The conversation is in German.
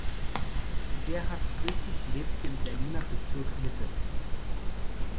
Gerhard Friedrich lebt im Berliner Bezirk Mitte.